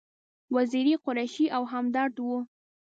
وزیری، قریشي او همدرد و.